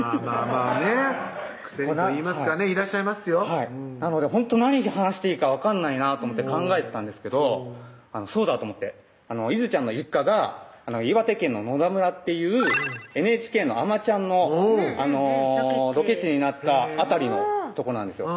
まぁねくせにといいますかねいらっしゃいますよなのでほんと何話していいか分かんないなと思って考えてたんですけどそうだと思っていずちゃんの実家が岩手県の野田村っていうＮＨＫのあまちゃんのロケ地になった辺りのとこなんですよ